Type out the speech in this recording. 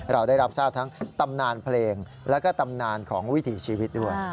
เราได้รับทราบทั้งตำนานเพลงแล้วก็ตำนานของวิถีชีวิตด้วย